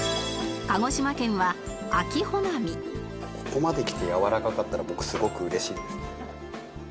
ここまできてやわらかかったら僕すごく嬉しいですね。